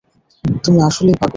তুমি আসলেই পাগল।